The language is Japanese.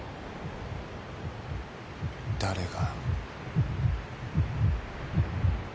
誰が？